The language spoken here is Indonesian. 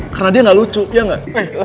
karena dia gak lucu ya gak